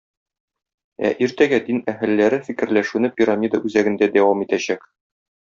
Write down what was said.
Ә иртәгә дин әһелләре фикерләшүне "Пирамида" үзәгендә дәвам итәчәк.